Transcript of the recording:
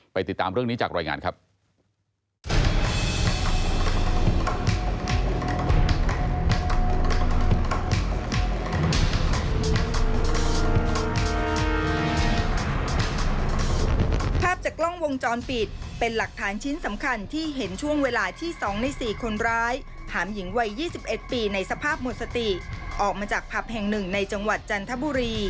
ติดตามเรื่องนี้จากรายงานครับ